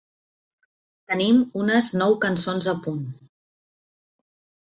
Tenim unes nou cançons a punt.